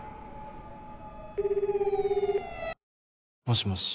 もしもし。